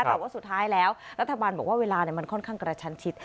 แต่ว่าสุดท้ายแล้วรัฐบาลบอกว่าเวลามันค่อนข้างกระชันชิด